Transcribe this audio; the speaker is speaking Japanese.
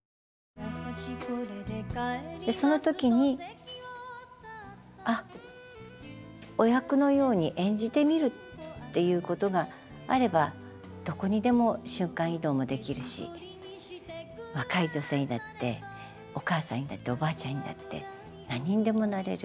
でその時にあっお役のように演じてみるっていうことがあればどこにでも瞬間移動もできるし若い女性にだってお母さんにだっておばあちゃんにだって何にでもなれる。